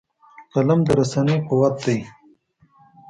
قلم د رسنۍ قوت دی